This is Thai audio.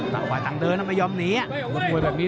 ใจหวาดังเดิ้นน้ำไม่ยอมหนี